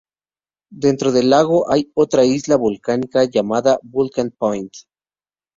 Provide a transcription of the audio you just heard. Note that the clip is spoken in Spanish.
Dentro del lago hay otra isla volcánica, llamada Vulcan Point.